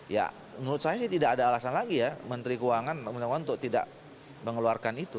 ya menurut saya sih tidak ada alasan lagi ya menteri keuangan untuk tidak mengeluarkan itu